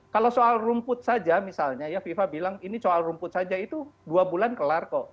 kalau soal rumput saja misalnya ya fifa bilang ini soal rumput saja itu dua bulan kelar kok